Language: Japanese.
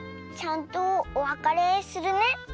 ちゃんとおわかれするね。